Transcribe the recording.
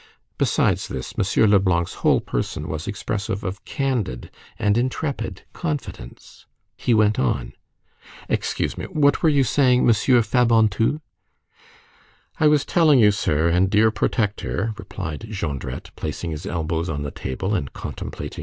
Besides this, M. Leblanc's whole person was expressive of candid and intrepid confidence. He went on:— "Excuse me; what were you saying, M. Fabantou?" "I was telling you, sir, and dear protector," replied Jondrette placing his elbows on the table and contemplating M.